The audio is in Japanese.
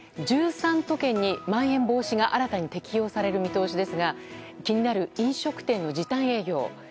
都県に、まん延防止が新たに適用される見通しですが気になる飲食店の時短営業。